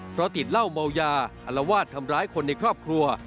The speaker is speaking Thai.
เพราะติดเหล้าเมายาอารวาสทำร้ายคนในครอบครัว